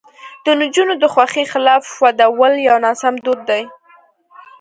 د نجونو د خوښې خلاف ودول یو ناسم دود دی.